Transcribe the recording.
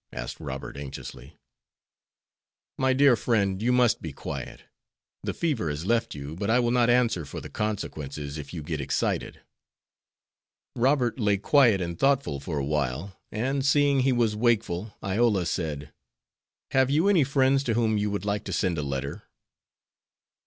asked Robert, anxiously. "My dear friend, you must be quiet. The fever has left you, but I will not answer for the consequences if you get excited." Robert lay quiet and thoughtful for awhile and, seeing he was wakeful, Iola said, "Have you any friends to whom you would like to send a letter?"